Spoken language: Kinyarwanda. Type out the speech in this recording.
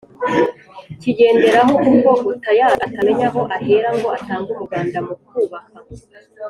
kigenderaho, kuko utayazi atamenya aho ahera ngo atange umuganda mu kubaka